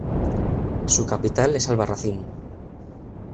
Su capital es Albarracín.